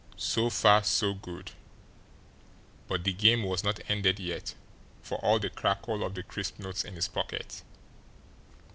So far, so good but the game was not ended yet for all the crackle of the crisp notes in his pocket.